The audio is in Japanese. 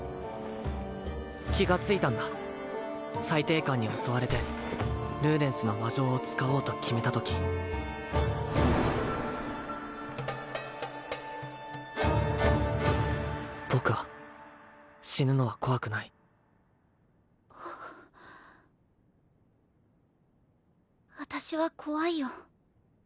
気がついたんだ裁定官に襲われてルーデンスの魔杖を使おうと決めたとき僕は死ぬのは怖くない私は怖いよ